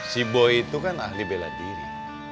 si boi itu kan ahli bela diri